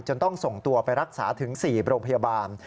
ต้องส่งตัวไปรักษาถึง๔โรงพยาบาล